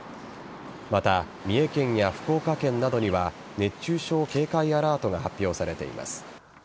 また、三重県や福岡県などには熱中症警戒アラートが発表されています。